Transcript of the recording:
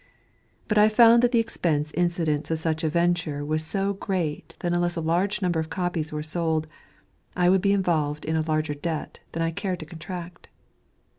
But I found that the expense incident to such a venture was so great that unless a large number of copies were sold I would be involved in a larger debt than I cared to contract.